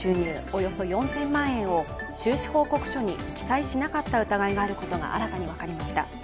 およそ４０００万円を収支報告書に記載しなかった疑いがあることが新たに分かりました。